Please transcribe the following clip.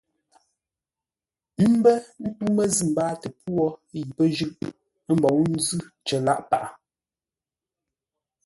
Ə́ mbə́ ntû məzʉ̂ mbáatə pwô yi pə́ jʉ́ʼ, ə́ mbou nzʉ́ cər lâʼ paghʼə.